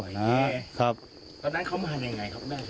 นะฮะครับตอนนั้นเขามาไหนไงครับได้ครับ